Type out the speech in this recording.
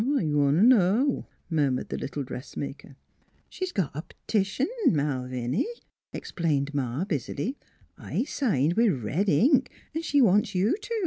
" I want t' know! " murmured the little dress maker. " She's got a p'tition, Malviny," explained Ma NEIGHBORS 179 busily. " I signed with red ink, V she wants you to."